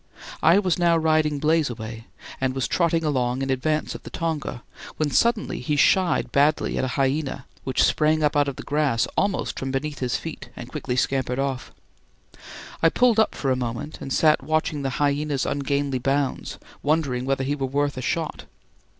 I was now riding "Blazeaway" and was trotting along in advance of the tonga, when suddenly he shied badly at a hyena, which sprang up out of the grass almost from beneath his feet and quickly scampered off. I pulled up for a moment and sat watching the hyena's ungainly bounds, wondering whether he were worth a shot.